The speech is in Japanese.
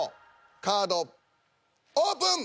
カードオープン！